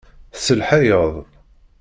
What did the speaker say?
Tselḥayeḍ.